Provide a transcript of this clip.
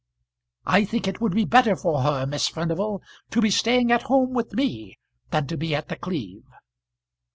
I think it would be better for her, Miss Furnival, to be staying at home with me, than to be at The Cleeve."